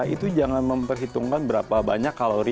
itu jangan memperhitungkan berapa banyak kalori